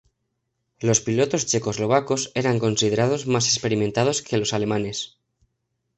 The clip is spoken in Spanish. Los pilotos checoslovacos eran considerados más experimentados que los alemanes.